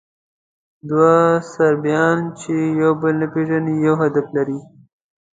دوه صربیان، چې یو بل نه پېژني، یو هدف لري.